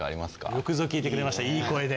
よくぞ聞いてくれましたいい声で。